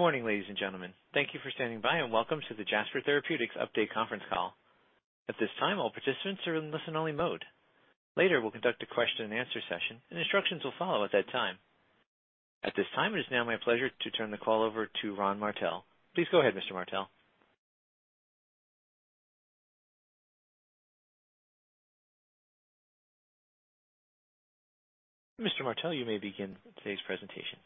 Good morning, ladies and gentlemen. Thank you for standing by and welcome to the Jasper Therapeutics Update Conference Call. At this time, all participants are in listen-only mode. Later, we'll conduct a question and answer session, and instructions will follow at that time. At this time, it is now my pleasure to turn the call over to Ron Martell. Please go ahead, Mr. Martell. Mr. Martell, you may begin today's presentation.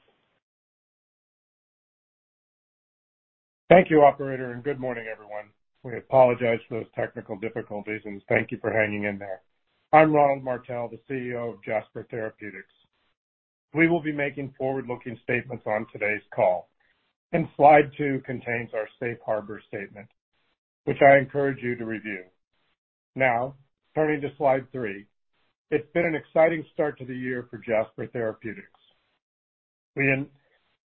Thank you, operator, and good morning, everyone. We apologize for those technical difficulties, and thank you for hanging in there. I'm Ronald Martell, the CEO of Jasper Therapeutics.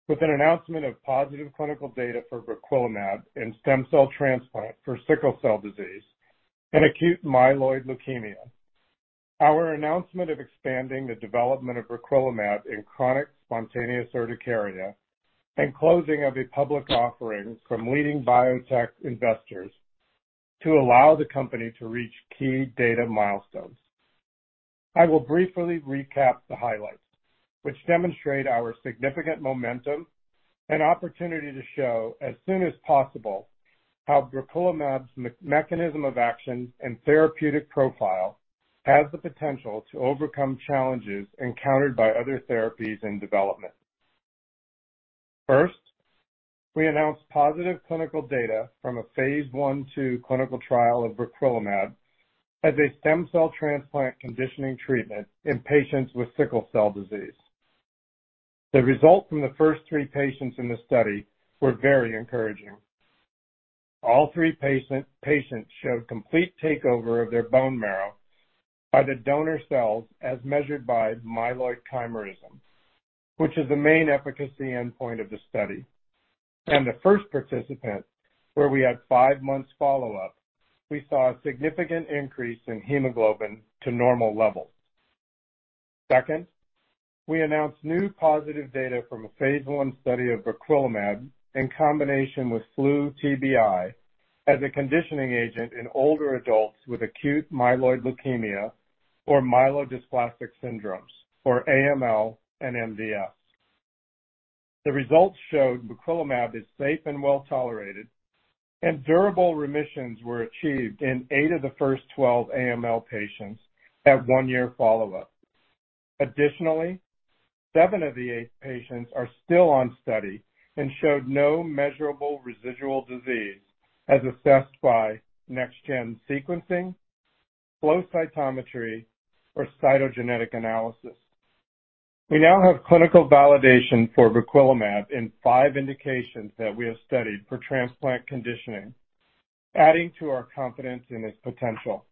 With an announcement of positive clinical data for barzolvolimab in stem cell transplant for sickle cell disease and acute myeloid leukemia. Our announcement of expanding the development of barzolvolimab in chronic spontaneous urticaria and closing of a public offering from leading biotech investors to allow the company to reach key data milestones. I will briefly recap the highlights, which demonstrate our significant momentum and opportunity to show as soon as possible how barzolvolimab's mechanism of action and therapeutic profile has the potential to overcome challenges encountered by other therapies in development. First, we announced positive clinical data from a phase 1/2 clinical trial of barzolvolimab as a stem cell transplant conditioning treatment in patients with sickle cell disease. The results from the first three patients showed complete takeover of their bone marrow by the donor cells as measured by myeloid chimerism, which is the main efficacy endpoint of the study. The first participant, where we had five months follow-up, we saw a significant increase in hemoglobin to normal levels. Second, we announced new positive data from a phase 1 study of barzolvolimab in combination with Flu/TBI as a conditioning agent in older adults with acute myeloid leukemia or myelodysplastic syndromes, or AML and MDS. The results showed barzolvolimab is safe and well-tolerated, and durable remissions were achieved in eight of the first 12 AML patients at one-year follow-up. Additionally, seven of the eight patients are still on study and showed no measurable residual disease as assessed by next gen sequencing, flow cytometry or cytogenetic analysis. We now have clinical validation for barzolvolimab in five indications that we have studied for transplant conditioning, adding to our confidence in its potential.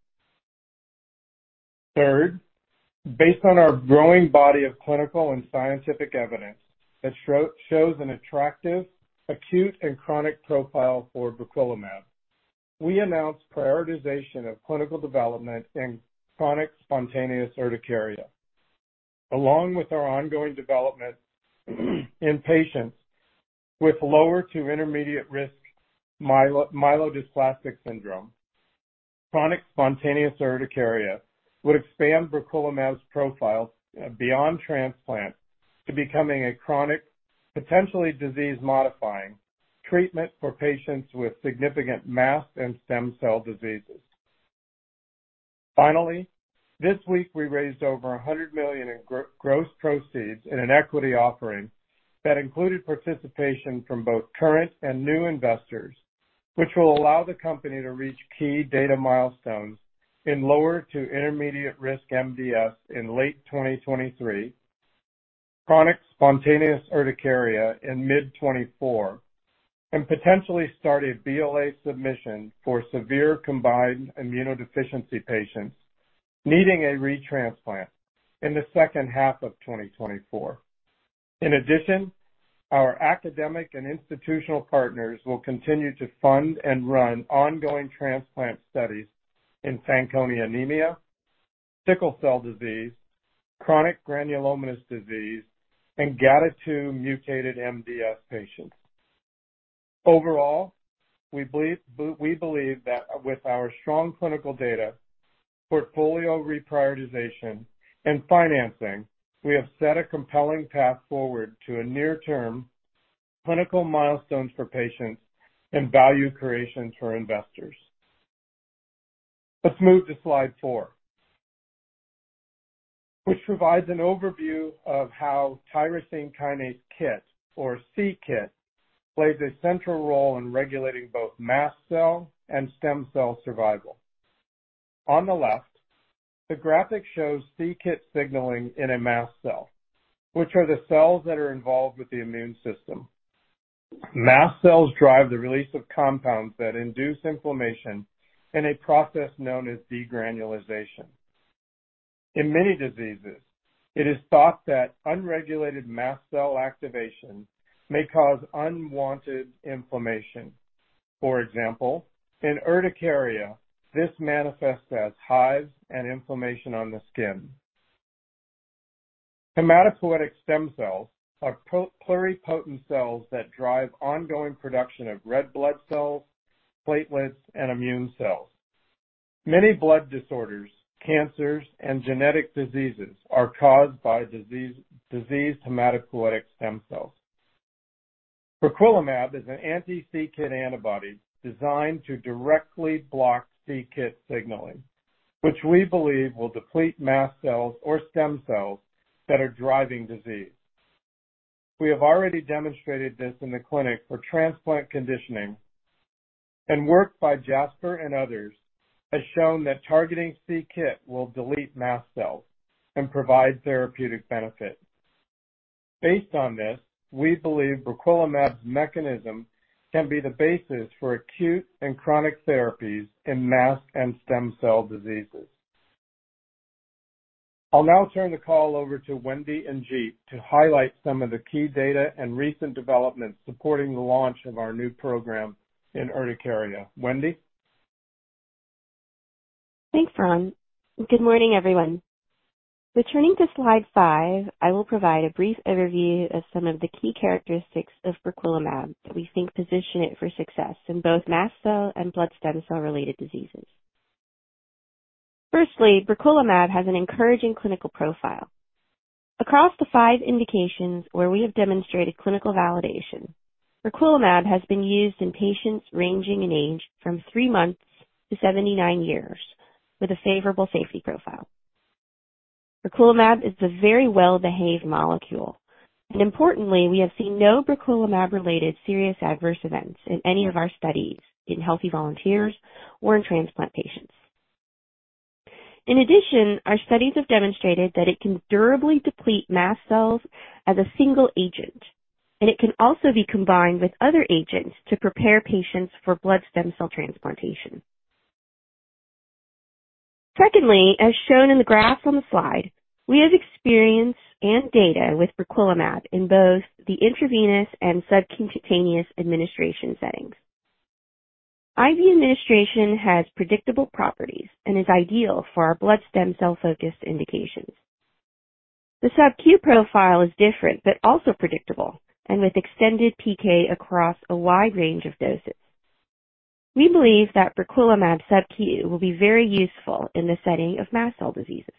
Third, based on our growing body of clinical and scientific evidence that shows an attractive, acute, and chronic profile for barzolvolimab, we announced prioritization of clinical development in chronic spontaneous urticaria. Along with our ongoing development in patients with lower to intermediate risk myelodysplastic syndrome, chronic spontaneous urticaria would expand barzolvolimab's profile beyond transplant to becoming a chronic, potentially disease-modifying treatment for patients with significant mast and stem cell diseases. Finally, this week we raised over $100 million in gross proceeds in an equity offering that included participation from both current and new investors, which will allow the company to reach key data milestones in lower to intermediate risk MDS in late 2023, chronic spontaneous urticaria in mid 2024, and potentially start a BLA submission for severe combined immunodeficiency patients needing a re-transplant in the second half of 2024. In addition, our academic and institutional partners will continue to fund and run ongoing transplant studies in Fanconi anemia, sickle cell disease, chronic granulomatous disease, and GATA2 mutated MDS patients. Overall, we believe that with our strong clinical data, portfolio reprioritization, and financing, we have set a compelling path forward to a near-term clinical milestones for patients and value creation for investors. Let's move to slide four, which provides an overview of how tyrosine kinase KIT, or c-KIT, plays a central role in regulating both mast cell and stem cell survival. On the left, the graphic shows c-KIT signaling in a mast cell, which are the cells that are involved with the immune system. Mast cells drive the release of compounds that induce inflammation in a process known as degranulation. In many diseases, it is thought that unregulated mast cell activation may cause unwanted inflammation. For example, in urticaria, this manifests as hives and inflammation on the skin. Hematopoietic stem cells are pluripotent cells that drive ongoing production of red blood cells, platelets, and immune cells. Many blood disorders, cancers, and genetic diseases are caused by diseased hematopoietic stem cells. Briquelimab is an anti-c-KIT antibody designed to directly block c-KIT signaling, which we believe will deplete mast cells or stem cells that are driving disease. We have already demonstrated this in the clinic for transplant conditioning and work by Jasper and others has shown that targeting c-KIT will delete mast cells and provide therapeutic benefit. Based on this, we believe barzolvolimab's mechanism can be the basis for acute and chronic therapies in mast and stem cell diseases. I'll now turn the call over to Wendy and Jeet to highlight some of the key data and recent developments supporting the launch of our new program in urticaria. Wendy? Thanks, Ron. Good morning, everyone. Returning to slide 5, I will provide a brief overview of some of the key characteristics of barzolvolimab that we think position it for success in both mast cell and blood stem cell-related diseases. Firstly, barzolvolimab has an encouraging clinical profile. Across the 5 indications where we have demonstrated clinical validation, barzolvolimab has been used in patients ranging in age from 3 months to 79 years with a favorable safety profile. Briquelimab is a very well-behaved molecule. Importantly, we have seen no barzolvolimab-related serious adverse events in any of our studies in healthy volunteers or in transplant patients. In addition, our studies have demonstrated that it can durably deplete mast cells as a single agent, and it can also be combined with other agents to prepare patients for blood stem cell transplantation. Secondly, as shown in the graph on the slide, we have experience and data with barzolvolimab in both the intravenous and subcutaneous administration settings. IV administration has predictable properties and is ideal for our blood stem cell-focused indications. The sub-Q profile is different but also predictable and with extended PK across a wide range of doses. We believe that barzolvolimab sub-Q will be very useful in the setting of mast cell diseases.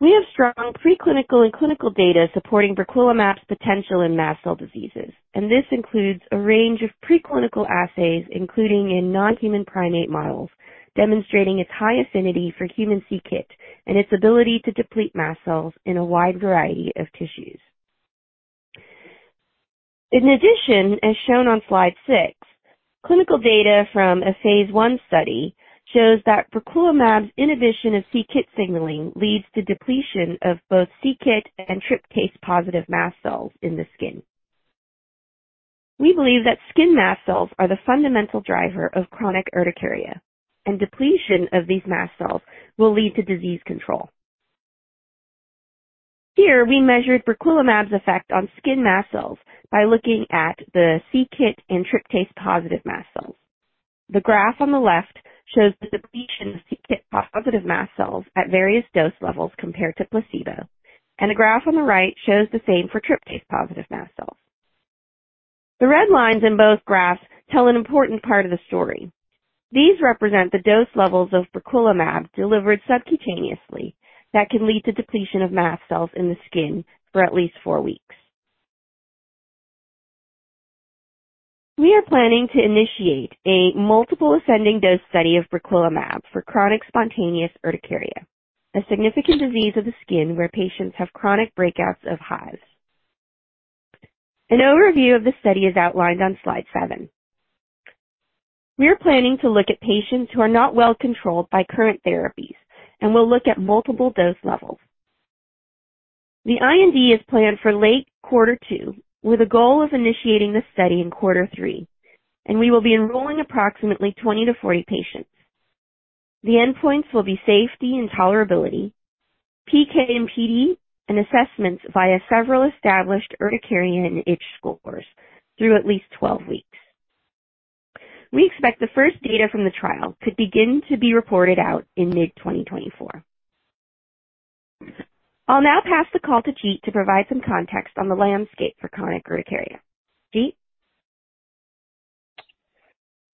We have strong preclinical and clinical data supporting barzolvolimab's potential in mast cell diseases. This includes a range of preclinical assays, including in non-human primate models, demonstrating its high affinity for human c-KIT and its ability to deplete mast cells in a wide variety of tissues. In addition, as shown on slide 6, clinical data from a phase I study shows that barzolvolimab's inhibition of c-KIT signaling leads to depletion of both c-KIT and Tryptase positive mast cells in the skin. We believe that skin mast cells are the fundamental driver of chronic urticaria. Depletion of these mast cells will lead to disease control. Here we measured barzolvolimab's effect on skin mast cells by looking at the c-KIT and Tryptase positive mast cells. The graph on the left shows the depletion of c-KIT positive mast cells at various dose levels compared to placebo. The graph on the right shows the same for Tryptase positive mast cells. The red lines in both graphs tell an important part of the story. These represent the dose levels of barzolvolimab delivered subcutaneously that can lead to depletion of mast cells in the skin for at least four weeks. We are planning to initiate a multiple ascending dose study of barzolvolimab for chronic spontaneous urticaria, a significant disease of the skin where patients have chronic breakouts of hives. An overview of the study is outlined on slide 7. We are planning to look at patients who are not well-controlled by current therapies, and we'll look at multiple dose levels. The IND is planned for late quarter two, with a goal of initiating the study in quarter three, and we will be enrolling approximately 20 to 40 patients. The endpoints will be safety and tolerability, PK and PD, and assessments via several established urticaria and itch scores through at least 12 weeks. We expect the first data from the trial to begin to be reported out in mid 2024. I'll now pass the call to Jeet to provide some context on the landscape for chronic urticaria. Jeet?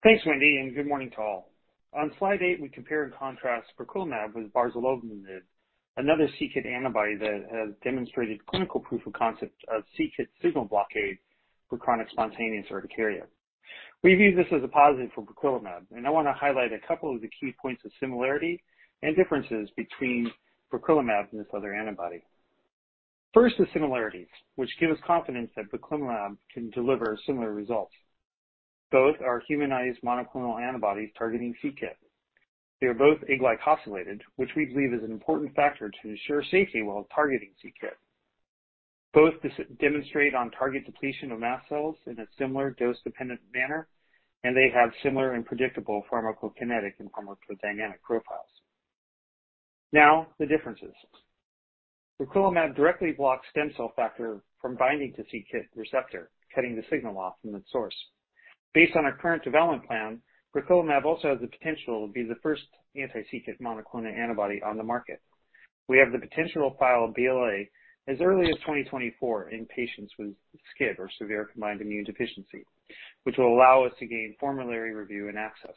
Thanks, Wendy. Good morning to all. On slide 8, we compare and contrast barzolvolimab with barzolvolimab, another c-KIT antibody that has demonstrated clinical proof of concept of c-KIT signal blockade for chronic spontaneous urticaria. We view this as a positive for barzolvolimab. I wanna highlight a couple of the key points of similarity and differences between barzolvolimab and this other antibody. First, the similarities, which give us confidence that barzolvolimab can deliver similar results. Both are humanized monoclonal antibodies targeting c-KIT. They are both N-glycosylated, which we believe is an important factor to ensure safety while targeting c-KIT. Both demonstrate on target depletion of mast cells in a similar dose-dependent manner, and they have similar and predictable pharmacokinetic and pharmacodynamic profiles. Now, the differences. Briquelimab directly blocks stem cell factor from binding to c-KIT receptor, cutting the signal off from the source. Based on our current development plan, barzolvolimab also has the potential to be the first anti-KIT monoclonal antibody on the market. We have the potential to file a BLA as early as 2024 in patients with SCID or severe combined immune deficiency, which will allow us to gain formulary review and access.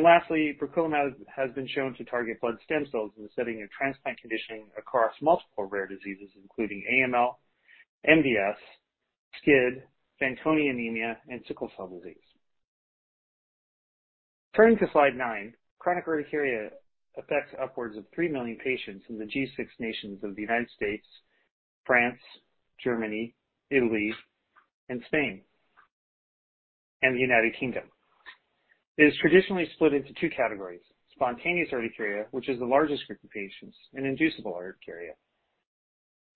Lastly, barzolvolimab has been shown to target blood stem cells in the setting of transplant conditioning across multiple rare diseases, including AML, MDS, SCID, Fanconi anemia, and sickle cell disease. Turning to slide 9, chronic urticaria affects upwards of 3 million patients in the G6 nations of the United States, France, Germany, Italy, and Spain, and the United Kingdom. It is traditionally split into 2 categories, spontaneous urticaria, which is the largest group of patients, and inducible urticaria.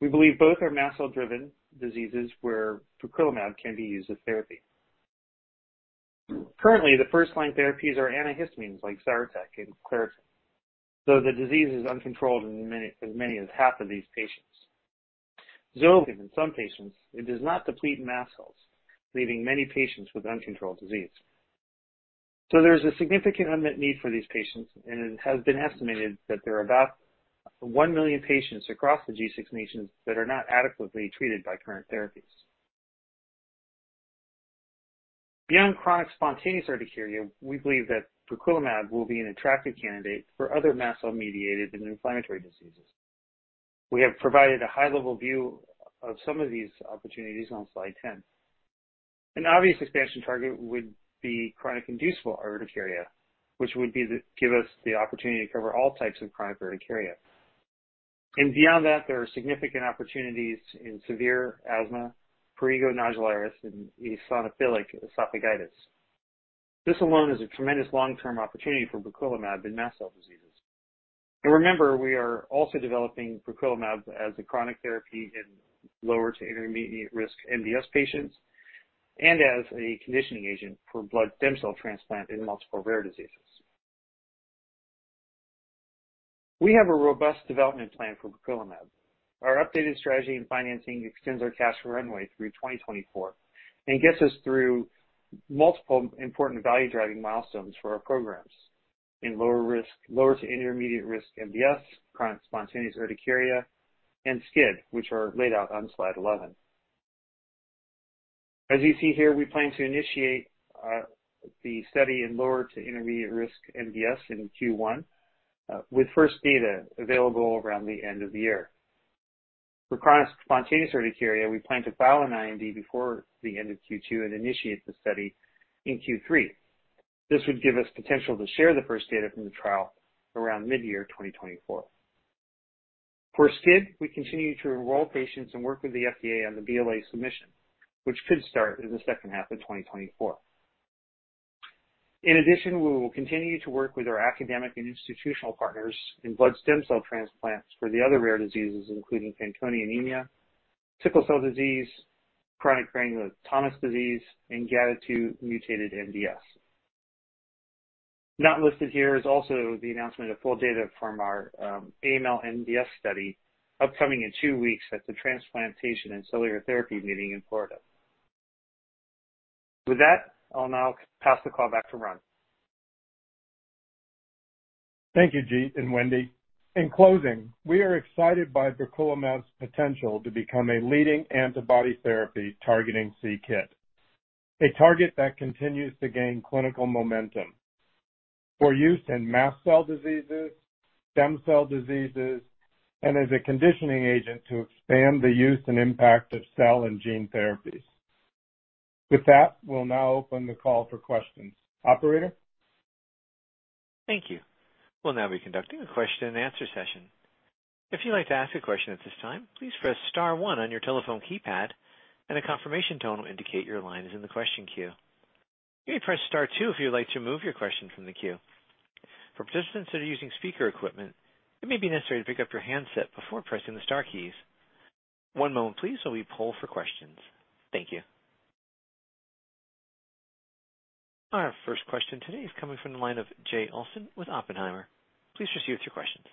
We believe both are mast cell-driven diseases where barzolvolimab can be used as therapy. Currently, the first-line therapies are antihistamines like Zyrtec and Claritin, though the disease is uncontrolled in many, as many as half of these patients. Xolair in some patients, it does not deplete mast cells, leaving many patients with uncontrolled disease. There's a significant unmet need for these patients, and it has been estimated that there are about 1 million patients across the G6 nations that are not adequately treated by current therapies. Beyond chronic spontaneous urticaria, we believe that barzolvolimab will be an attractive candidate for other mast cell-mediated and inflammatory diseases. We have provided a high-level view of some of these opportunities on slide 10. An obvious expansion target would be chronic inducible urticaria, which would be to give us the opportunity to cover all types of chronic urticaria. Beyond that, there are significant opportunities in severe asthma, prurigo nodularis, and eosinophilic esophagitis. This alone is a tremendous long-term opportunity for barzolvolimab in mast cell diseases. Remember, we are also developing barzolvolimab as a chronic therapy in lower to intermediate risk MDS patients and as a conditioning agent for blood stem cell transplant in multiple rare diseases. We have a robust development plan for barzolvolimab. Our updated strategy and financing extends our cash runway through 2024 and gets us through multiple important value-driving milestones for our programs in lower risk, lower to intermediate risk MDS, chronic spontaneous urticaria, and SCID, which are laid out on slide 11. As you see here, we plan to initiate the study in lower to intermediate risk MDS in Q1 with first data available around the end of the year. For chronic spontaneous urticaria, we plan to file an IND before the end of Q2 and initiate the study in Q3. This would give us potential to share the first data from the trial around midyear 2024. For SCID, we continue to enroll patients and work with the FDA on the BLA submission, which could start in the second half of 2024. We will continue to work with our academic and institutional partners in blood stem cell transplants for the other rare diseases, including Fanconi anemia, sickle cell disease, chronic granulomatous disease, and GATA2 mutated MDS. Not listed here is also the announcement of full data from our AML MDS study upcoming in 2 weeks at the Transplantation & Cellular Therapy Meetings in Florida. With that, I'll now pass the call back to Ron. Thank you, Jeet and Wendy. In closing, we are excited by barzolvolimab's potential to become a leading antibody therapy targeting c-KIT, a target that continues to gain clinical momentum for use in mast cell diseases, stem cell diseases, and as a conditioning agent to expand the use and impact of cell and gene therapies. With that, we'll now open the call for questions. Operator? Thank you. We'll now be conducting a question and answer session. If you'd like to ask a question at this time, please press star one on your telephone keypad, and a confirmation tone will indicate your line is in the question queue. You may press star two if you would like to remove your question from the queue. For participants that are using speaker equipment, it may be necessary to pick up your handset before pressing the star keys. One moment please while we poll for questions. Thank you. Our first question today is coming from the line of Jay Olson with Oppenheimer. Please proceed with your questions.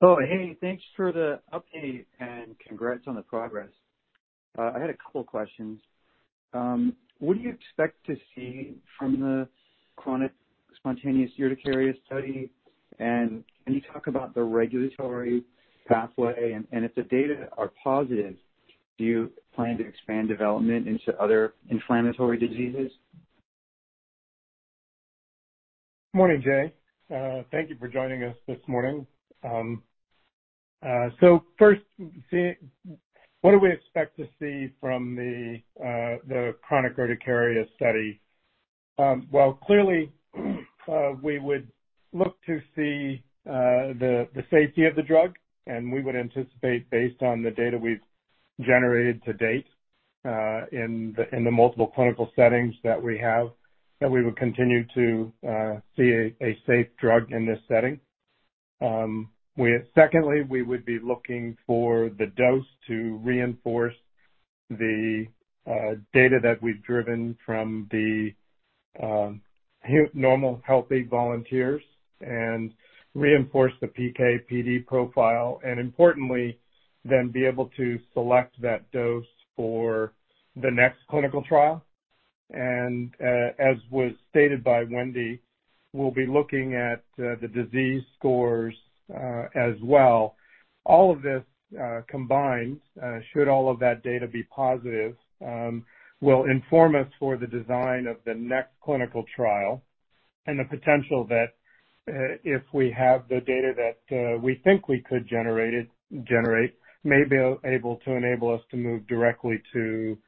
Oh, hey, thanks for the update and congrats on the progress. I had a couple questions. What do you expect to see from the chronic spontaneous urticaria study? Can you talk about the regulatory pathway? If the data are positive, do you plan to expand development into other inflammatory diseases? Morning, Jay. Thank you for joining us this morning. First, what do we expect to see from the chronic urticaria study? Well, clearly, we would look to see the safety of the drug, and we would anticipate based on the data we've generated to date, in the multiple clinical settings that we have, that we would continue to see a safe drug in this setting. Secondly, we would be looking for the dose to reinforce the data that we've driven from the normal healthy volunteers and reinforce the PK/PD profile. Importantly, then be able to select that dose for the next clinical trial. As was stated by Wendy, we'll be looking at the disease scores as well. All of this combined, should all of that data be positive, will inform us for the design of the next clinical trial and the potential that, if we have the data that we think we could generate, may be able to enable us to move directly to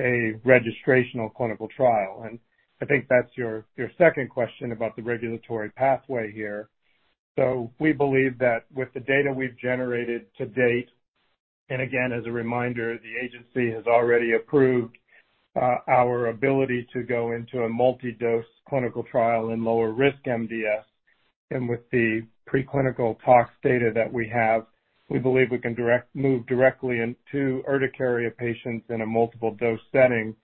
a registrational clinical trial. I think that's your second question about the regulatory pathway here. We believe that with the data we've generated to date, and again, as a reminder, the agency has already approved our ability to go into a multi-dose clinical trial in lower risk MDS. With the preclinical tox data that we have, we believe we can move directly into urticaria patients in a multiple dose setting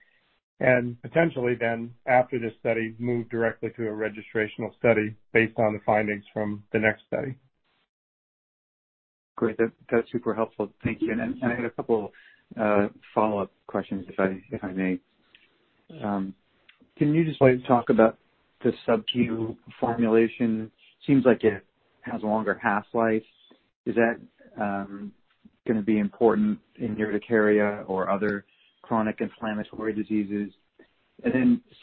and potentially then after this study, move directly to a registrational study based on the findings from the next study. Great. That, that's super helpful. Thank you. I had a couple follow-up questions if I may. Can you just maybe talk about the subQ formulation? Seems like it has a longer half-life. Is that gonna be important in urticaria or other chronic inflammatory diseases?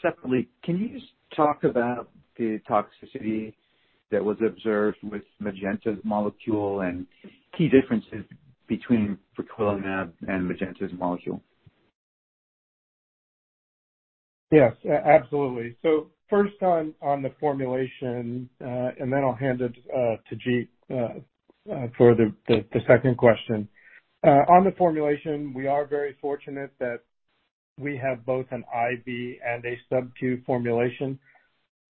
Secondly, can you just talk about the toxicity that was observed with Magenta's molecule and key differences between barzolvolimab and Magenta's molecule? Yes, absolutely. First on the formulation, and then I'll hand it to Jeet for the second question. On the formulation, we are very fortunate that we have both an IV and a subQ formulation.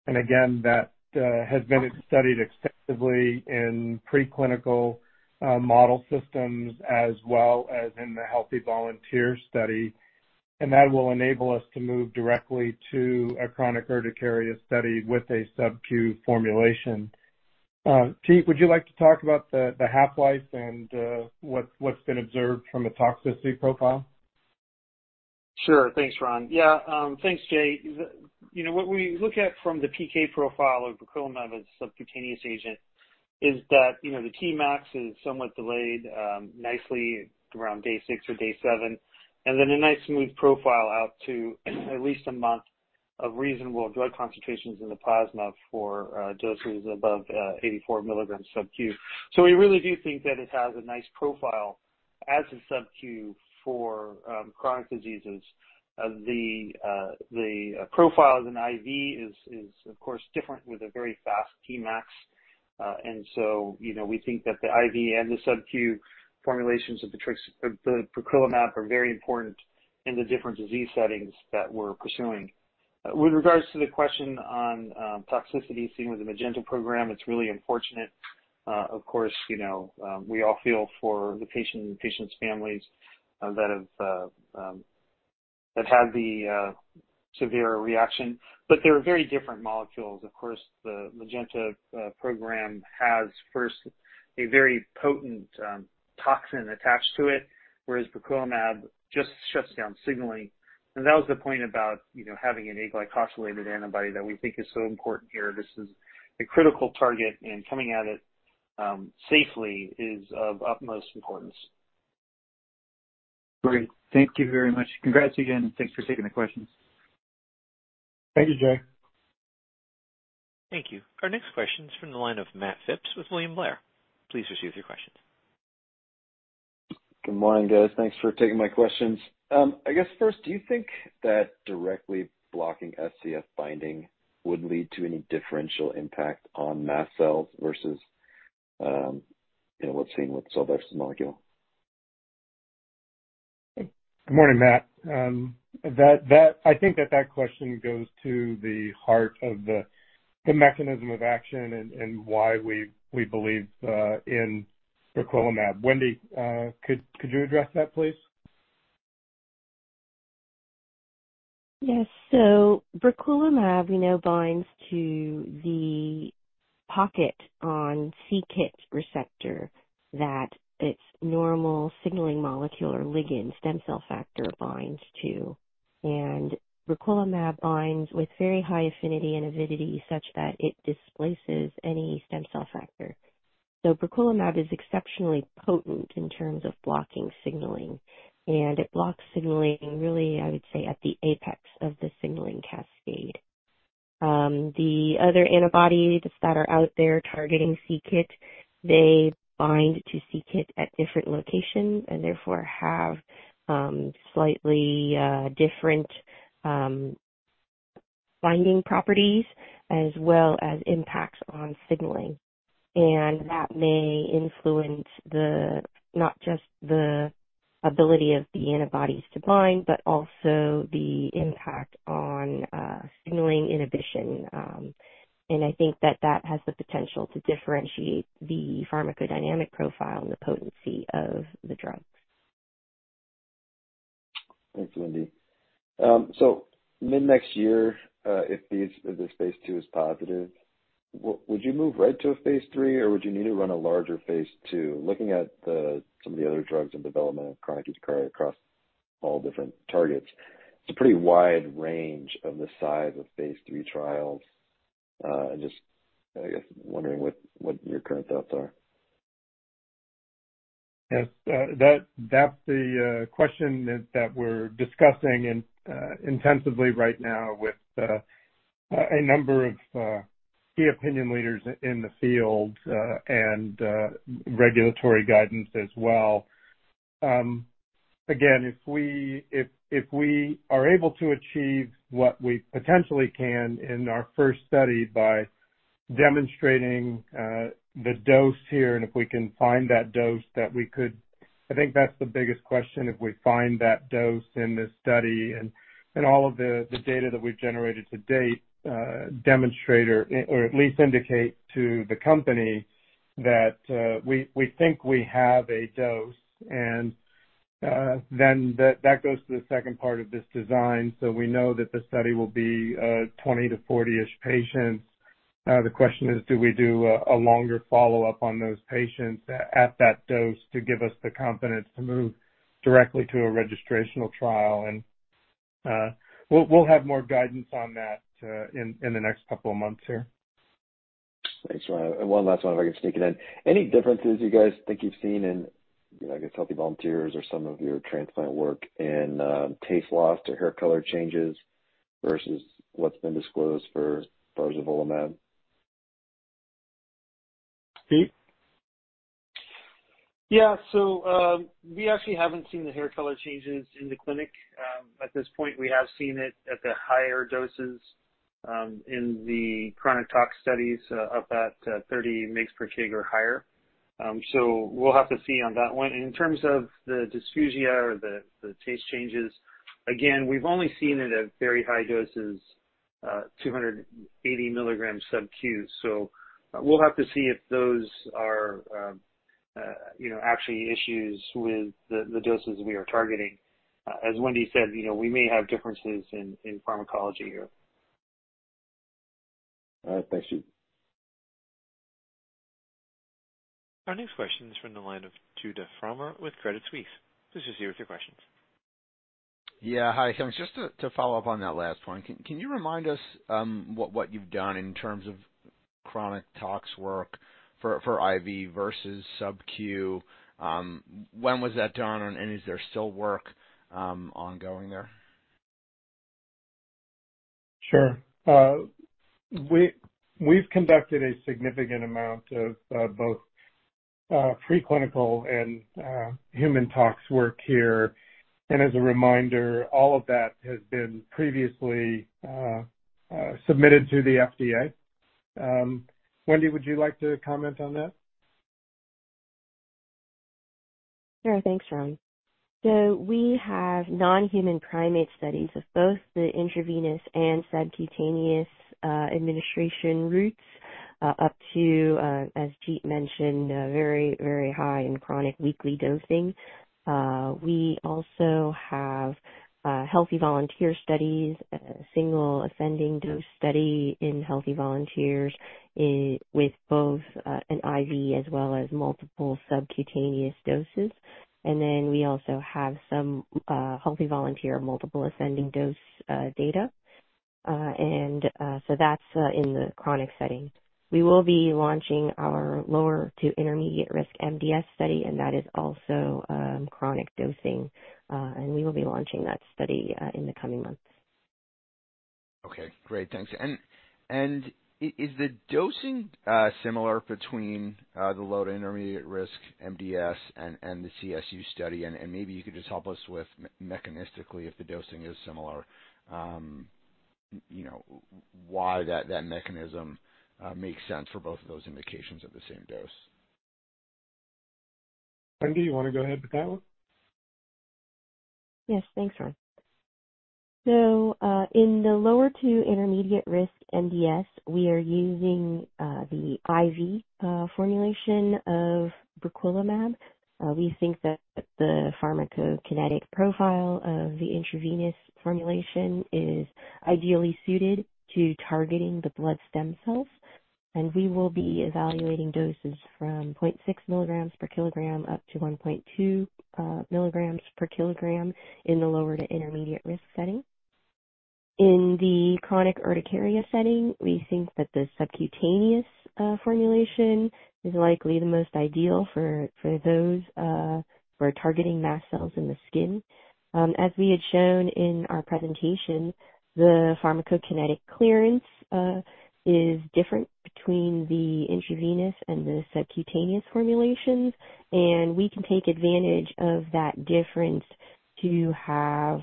Again, that has been studied extensively in preclinical model systems as well as in the healthy volunteer study. That will enable us to move directly to a chronic urticaria study with a subQ formulation. Jeet, would you like to talk about the half-life and what's been observed from a toxicity profile? Sure. Thanks, Ron. Yeah, thanks, Jay. The, you know, what we look at from the PK profile of barzolvolimab as a subcutaneous agent is that, you know, the Tmax is somewhat delayed, nicely around day 6 or day 7, and then a nice smooth profile out to at least 1 month of reasonable drug concentrations in the plasma for doses above 84 milligrams subQ. We really do think that it has a nice profile as a subQ for chronic diseases. The profile as an IV is of course different with a very fast Tmax. We think that the IV and the subQ formulations of the barzolvolimab are very important in the different disease settings that we're pursuing. With regards to the question on toxicity seen with the Magenta program, it's really unfortunate. Of course, you know, we all feel for the patient and the patient's families that have that had the severe reaction, but they're very different molecules. Of course, the Magenta program has first a very potent toxin attached to it, whereas briquilimab just shuts down signaling. That was the point about, you know, having an aglycosylated antibody that we think is so important here. This is a critical target, and coming at it safely is of utmost importance. Great. Thank you very much. Congrats again. Thanks for taking the questions. Thank you, Jay. Thank you. Our next question is from the line of Matt Phipps with William Blair. Please proceed with your question. Good morning, guys. Thanks for taking my questions. I guess first, do you think that directly blocking SCF binding would lead to any differential impact on mast cells versus, you know, what's seen with Celldex molecule? Good morning, Matt. I think that question goes to the heart of the mechanism of action and why we believe in Ravulizumab. Wendy, could you address that, please? Yes. Ravulizumab, we know, binds to the pocket on c-KIT receptor that its normal signaling molecule or ligand stem cell factor binds to. Ravulizumab binds with very high affinity and avidity such that it displaces any stem cell factor. Ravulizumab is exceptionally potent in terms of blocking signaling, and it blocks signaling really, I would say, at the apex of the signaling cascade. The other antibodies that are out there targeting c-KIT, they bind to c-KIT at different locations and therefore have slightly different binding properties as well as impacts on signaling. That may influence the, not just the ability of the antibodies to bind, but also the impact on signaling inhibition. I think that that has the potential to differentiate the pharmacodynamic profile and the potency of the drugs. Thanks, Wendy. Mid next year, if these, if this phase 2 is positive, would you move right to a phase 3 or would you need to run a larger phase 2? Looking at some of the other drugs in development of chronic urticaria across all different targets, it's a pretty wide range of the size of phase III trials. Just I guess wondering what your current thoughts are. Yes. That's the question that we're discussing intensively right now with a number of key opinion leaders in the field and regulatory guidance as well. Again, if we are able to achieve what we potentially can in our first study by demonstrating the dose here, and if we can find that dose that we could, I think that's the biggest question, if we find that dose in this study and all of the data that we've generated to date demonstrate or at least indicate to the company that we think we have a dose and then that goes to the second part of this design. We know that the study will be 20 to 40-ish patients. The question is, do we do a longer follow-up on those patients at that dose to give us the confidence to move directly to a registrational trial. We'll have more guidance on that in the next couple of months here. Thanks, Ron. One last one if I can sneak it in. Any differences you guys think you've seen in, I guess, healthy volunteers or some of your transplant work in, taste loss to hair color changes versus what's been disclosed for barzolvolimab? Jeet? We actually haven't seen the hair color changes in the clinic. At this point, we have seen it at the higher doses in the chronic tox studies up at 30 mgs per kg or higher. We'll have to see on that one. In terms of the dysgeusia or the taste changes, again, we've only seen it at very high doses 280 milligrams sub-Q. We'll have to see if those are, you know, actually issues with the doses we are targeting. As Wendy said, you know, we may have differences in pharmacology here. All right. Thanks, Jeet. Our next question is from the line of Judah Frommer with Credit Suisse. Please proceed with your questions. Yeah. Hi. Just to follow up on that last one, can you remind us, what you've done in terms of chronic tox work for IV versus sub-Q? When was that done, and is there still work ongoing there? Sure. we've conducted a significant amount of both preclinical and human tox work here. As a reminder, all of that has been previously submitted to the FDA. Wendy, would you like to comment on that? Sure. Thanks, Ron. We have non-human primate studies of both the intravenous and subcutaneous administration routes, up to as Jeet mentioned, very, very high in chronic weekly dosing. We also have healthy volunteer studies, a single ascending dose study in healthy volunteers in, with both an IV as well as multiple subcutaneous doses. We also have some healthy volunteer, multiple ascending dose data. That's in the chronic setting. We will be launching our lower to intermediate risk MDS study, and that is also chronic dosing. We will be launching that study in the coming months. Okay. Great. Thanks. Is the dosing similar between the low to intermediate risk MDS and the CSU study? Maybe you could just help us with mechanistically, if the dosing is similar, you know, why that mechanism makes sense for both of those indications at the same dose. Wendy, you wanna go ahead with that one? Yes. Thanks, Ron. In the lower to intermediate risk MDS, we are using the IV formulation of barzolvolimab. We think that the pharmacokinetic profile of the intravenous formulation is ideally suited to targeting the blood stem cells, and we will be evaluating doses from 0.6 milligrams per kilogram up to 1.2 milligrams per kilogram in the lower to intermediate risk setting. In the chronic urticaria setting, we think that the subcutaneous formulation is likely the most ideal for those for targeting mast cells in the skin. As we had shown in our presentation, the pharmacokinetic clearance is different between the intravenous and the subcutaneous formulations, and we can take advantage of that difference to have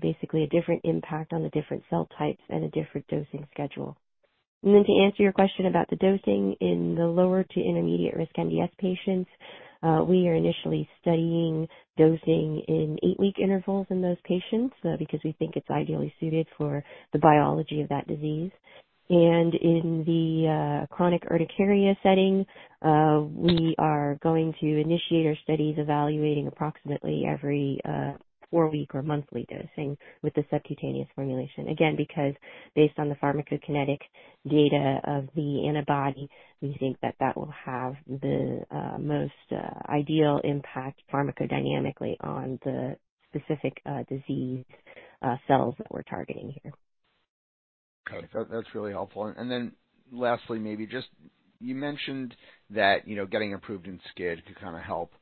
basically a different impact on the different cell types and a different dosing schedule. To answer your question about the dosing in the lower to intermediate risk MDS patients. We are initially studying dosing in 8-week intervals in those patients because we think it's ideally suited for the biology of that disease. In the chronic urticaria setting, we are going to initiate our studies evaluating approximately every 4-week or monthly dosing with the subcutaneous formulation. Again, because based on the pharmacokinetic data of the antibody, we think that that will have the most ideal impact pharmacodynamically on the specific disease cells that we're targeting here. Okay. That's really helpful. Lastly, maybe just, you mentioned that, you know, getting approved in SCID could kind of help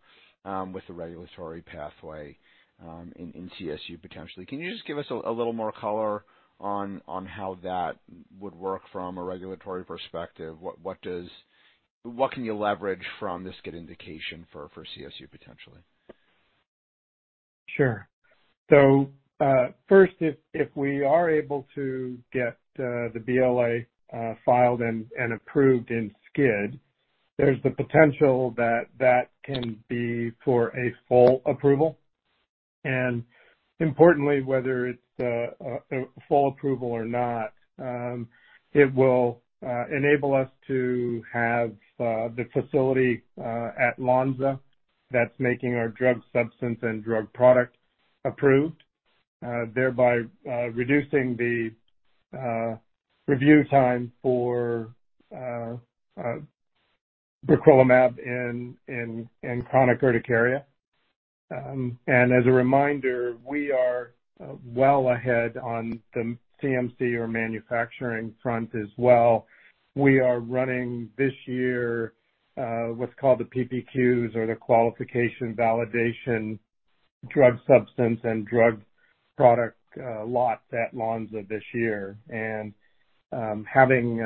with the regulatory pathway in CSU, potentially. Can you just give us a little more color on how that would work from a regulatory perspective? What can you leverage from the SCID indication for CSU potentially? Sure. First, if we are able to get the BLA filed and approved in SCID, there's the potential that that can be for a full approval. Importantly, whether it's full approval or not, it will enable us to have the facility at Lonza that's making our drug substance and drug product approved, thereby reducing the review time for barzolvolimab in chronic urticaria. As a reminder, we are well ahead on the CMC or manufacturing front as well. We are running this year what's called the PPQs or the qualification validation drug substance and drug product lots at Lonza this year. Having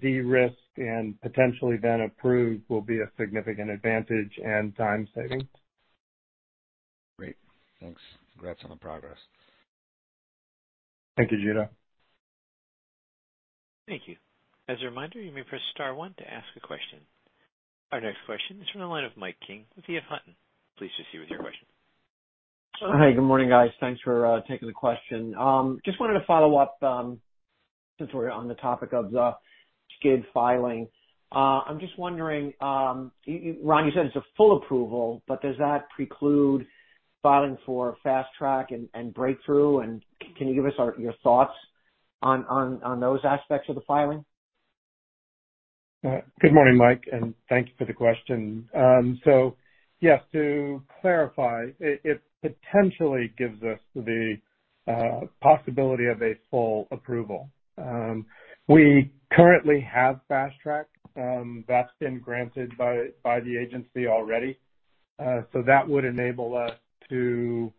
de-risked and potentially then approved will be a significant advantage and time saving. Great. Thanks. Congrats on the progress. Thank you, Judah. Thank you. As a reminder, you may press star one to ask a question. Our next question is from the line of Michael King with EF Hutton. Please proceed with your question. Hey, good morning, guys. Thanks for taking the question. Just wanted to follow up since we're on the topic of the SCID filing. I'm just wondering, Ron, you said it's a full approval, but does that preclude filing for fast track and breakthrough? Can you give us your thoughts on those aspects of the filing? Good morning, Michael, thanks for the question. Yes, to clarify, it potentially gives us the possibility of a full approval. We currently have Fast Track that's been granted by the agency already. That would enable us to,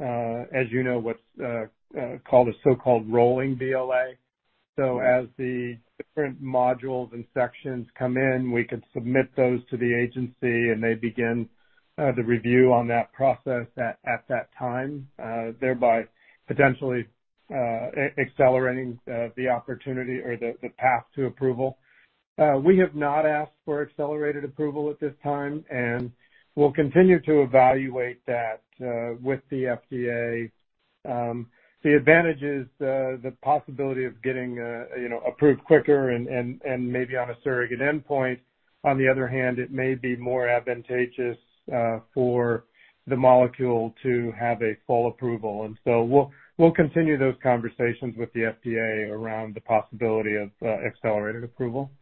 as you know, what's called a so-called rolling BLA. As the different modules and sections come in, we can submit those to the agency and they begin the review on that process at that time, thereby potentially accelerating the opportunity or the path to approval. We have not asked for accelerated approval at this time, we'll continue to evaluate that with the FDA. The advantage is the possibility of getting, you know, approved quicker and, and maybe on a surrogate endpoint. On the other hand, it may be more advantageous, for the molecule to have a full approval. We'll continue those conversations with the FDA around the possibility of, accelerated approval.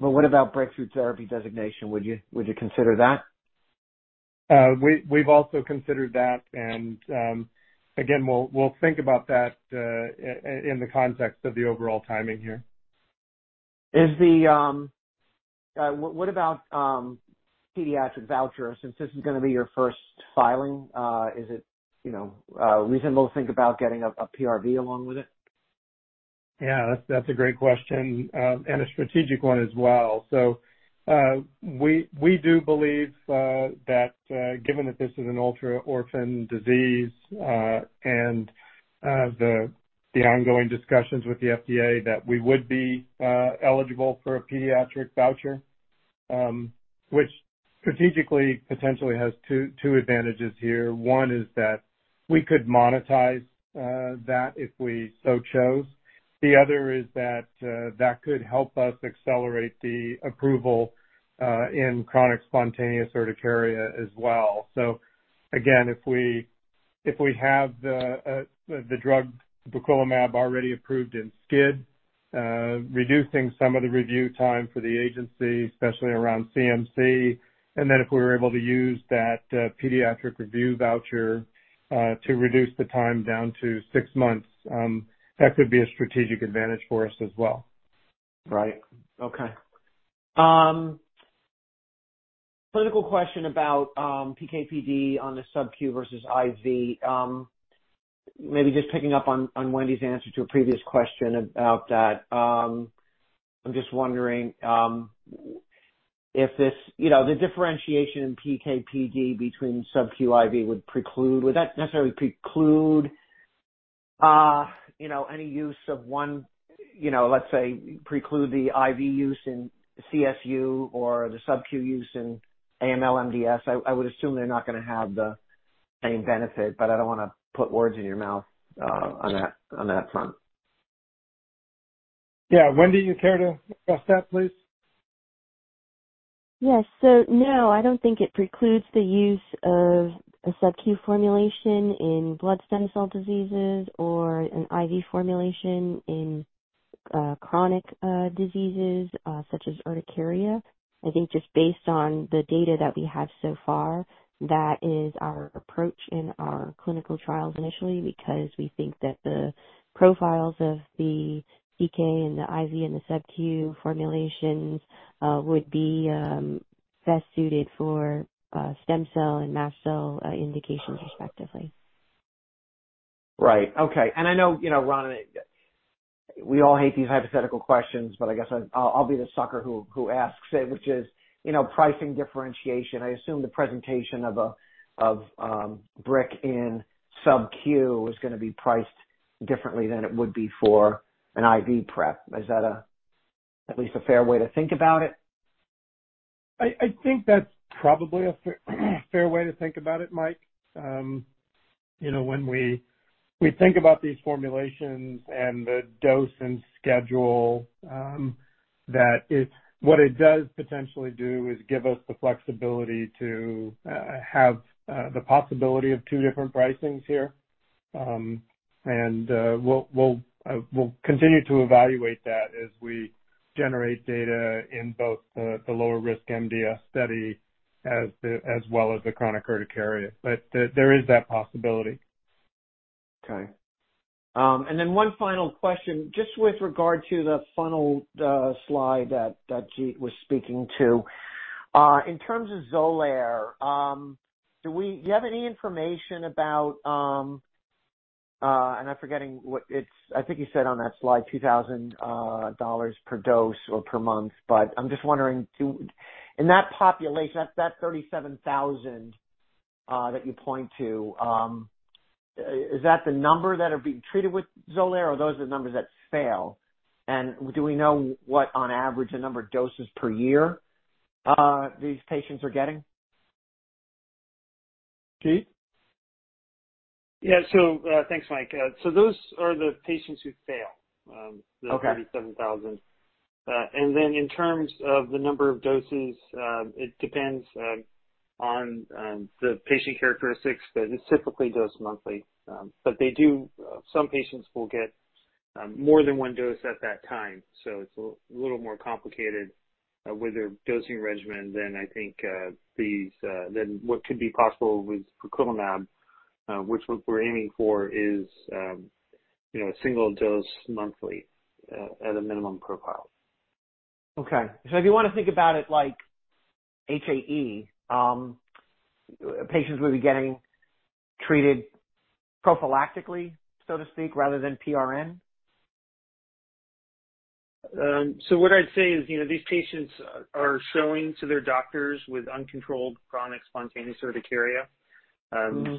What about breakthrough therapy designation? Would you consider that? We've also considered that. Again, we'll think about that, in the context of the overall timing here. What about pediatric voucher since this is gonna be your first filing? Is it, you know, reasonable to think about getting a PRV along with it? Yeah, that's a great question and a strategic one as well. We do believe that given that this is an ultra-orphan disease and the ongoing discussions with the FDA, that we would be eligible for a pediatric voucher, which strategically potentially has two advantages here. One is that we could monetize that if we so chose. The other is that that could help us accelerate the approval in chronic spontaneous urticaria as well. Again, if we, if we have the drug barzolvolimab already approved in SCID, reducing some of the review time for the agency, especially around CMC, and then if we were able to use that, pediatric voucher, to reduce the time down to 6 months, that could be a strategic advantage for us as well. Right. Okay. clinical question about PK/PD on the subQ versus IV. Maybe just picking up on Wendy's answer to a previous question about that. I'm just wondering if this, you know, the differentiation in PK/PD between subQ IV would necessarily preclude, you know, any use of one, you know, let's say preclude the IV use in CSU or the subQ use in AML MDS? I would assume they're not gonna have the same benefit, but I don't wanna put words in your mouth, on that front. Yeah. Wendy, you care to address that, please? Yes, no, I don't think it precludes the use of a subQ formulation in blood stem cell diseases or an IV formulation in chronic diseases such as urticaria. I think just based on the data that we have so far, that is our approach in our clinical trials initially, because we think that the profiles of the PK and the IV and the subQ formulations would be best suited for stem cell and mast cell indications respectively. Right. Okay. I know, you know, Ron, we all hate these hypothetical questions, but I guess I'll be the sucker who asks it, which is, you know, pricing differentiation. I assume the presentation of a Brick in subq is gonna be priced differently than it would be for an IV prep. Is that at least a fair way to think about it? I think that's probably a fair way to think about it, Mike. you know, when we think about these formulations and the dose and schedule, that what it does potentially do is give us the flexibility to have the possibility of two different pricings here. We'll continue to evaluate that as we generate data in both the lower risk MDS study as well as the chronic urticaria. There is that possibility. Okay. One final question, just with regard to the funnel slide that Jeet was speaking to. In terms of Xolair, do you have any information about, and I'm forgetting, I think you said on that slide, $2,000 per dose or per month? I'm just wondering, in that population, that 37,000 that you point to, is that the number that are being treated with Xolair or those are the numbers that fail? Do we know what, on average, the number of doses per year these patients are getting? Jeet? Yeah. Thanks, Mike. Those are the patients who fail. Okay. -the 37,000. Then in terms of the number of doses, it depends on the patient characteristics, but it's typically dosed monthly. They do. Some patients will get more than one dose at that time, so it's a little more complicated with their dosing regimen than I think these than what could be possible with barzolvolimab, which what we're aiming for is, you know, a single dose monthly at a minimum profile. Okay. If you wanna think about it like HAE, patients would be getting treated prophylactically, so to speak, rather than PRN? What I'd say is, you know, these patients are showing to their doctors with uncontrolled chronic spontaneous urticaria. Mm-hmm.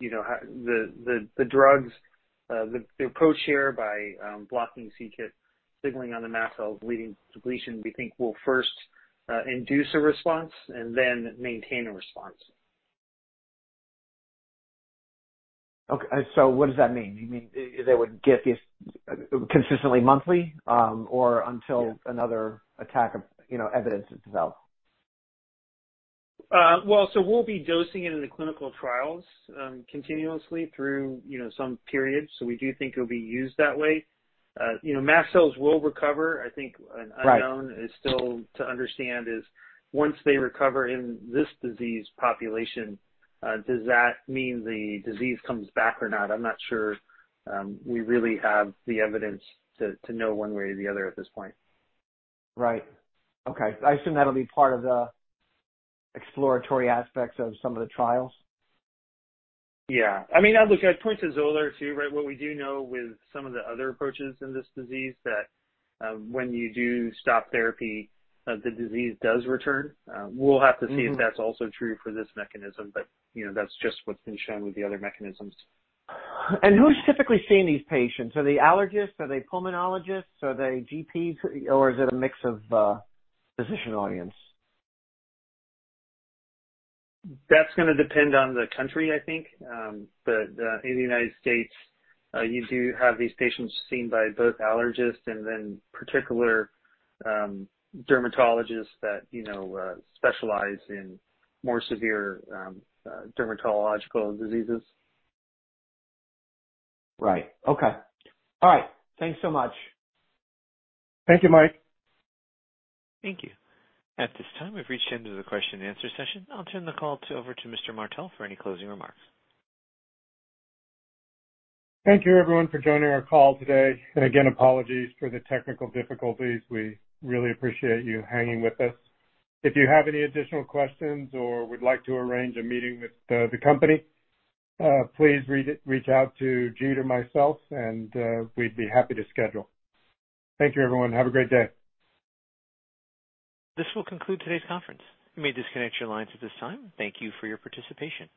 You know, the drugs, the approach here by blocking c-KIT signaling on the mast cells leading depletion, we think will first induce a response and then maintain a response. Okay. What does that mean? You mean they would get these consistently monthly, or until. Yeah. another attack of, you know, evidence is developed? Well, we'll be dosing it in the clinical trials, continuously through, you know, some period. We do think it'll be used that way. You know, mast cells will recover. Right. Is still to understand is once they recover in this disease population, does that mean the disease comes back or not? I'm not sure, we really have the evidence to know one way or the other at this point. Right. Okay. I assume that'll be part of the exploratory aspects of some of the trials. Yeah. I mean, look, I point to Xolair too, right? What we do know with some of the other approaches in this disease that, when you do stop therapy, the disease does return. We'll have to see. Mm-hmm. If that's also true for this mechanism, but, you know, that's just what's been shown with the other mechanisms. Who's typically seeing these patients? Are they allergists? Are they pulmonologists? Are they GPs, or is it a mix of physician audience? That's gonna depend on the country, I think. In the United States, you do have these patients seen by both allergists and then particular, dermatologists that, you know, specialize in more severe, dermatological diseases. Right. Okay. All right. Thanks so much. Thank you, Mike. Thank you. At this time, we've reached the end of the question and answer session. I'll turn the call over to Mr. Martell for any closing remarks. Thank you everyone for joining our call today. Again, apologies for the technical difficulties. We really appreciate you hanging with us. If you have any additional questions or would like to arrange a meeting with the company, please reach out to Jeet or myself and we'd be happy to schedule. Thank you everyone. Have a great day. This will conclude today's conference. You may disconnect your lines at this time. Thank you for your participation.